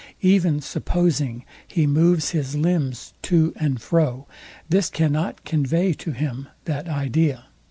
Even supposing he moves his limbs to and fro, this cannot convey to him that idea.